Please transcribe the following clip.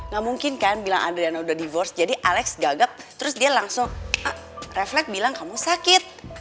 gak mungkin kan bilang adriana udah di force jadi alex gagap terus dia langsung refleks bilang kamu sakit